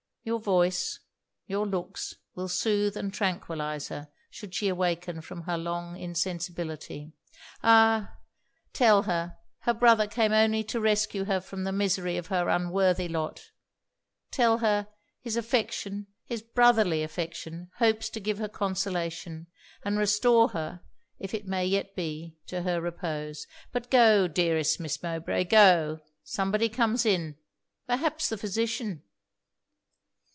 Your voice, your looks, will soothe and tranquillize her, should she awaken from her long insensibility. Ah! tell her, her brother came only to rescue her from the misery of her unworthy lot Tell her his affection, his brotherly affection, hopes to give her consolation; and restore her if it may yet be to her repose. But go, dearest Miss Mowbray go! somebody comes in perhaps the physician.'